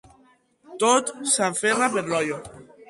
Tot s'aferra per l'olla.